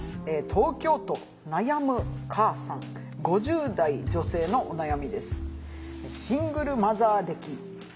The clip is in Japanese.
東京都悩む母さん５０代女性のお悩みです。